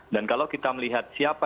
dan kalau kita melihat siapa